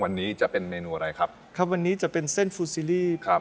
วันนี้จะเป็นเมนูอะไรครับครับวันนี้จะเป็นเส้นฟูซีรีส์ครับ